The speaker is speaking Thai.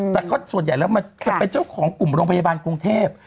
แต่ส่วนใหญ่แล้วมันจะเป็นเจ้าของกลุ่มโรงพยาบาลกรุงเทพ